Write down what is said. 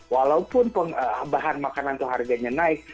walaupun bahan makanan itu harganya naik